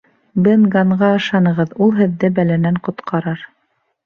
Бен Ганнға ышанығыҙ, ул һеҙҙе бәләнән ҡотҡарыр.